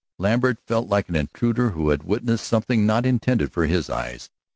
Lambert felt like an intruder who had witnessed something not intended for his eyes.